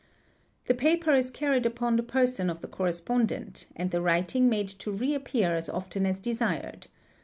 The paper is carried upon the person of the correspondent and the writing made to re appear as often as desired.